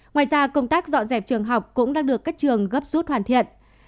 ngoài ra công tác dọn dẹp trường học cũng đang được các trường gấp rút hoàn thiện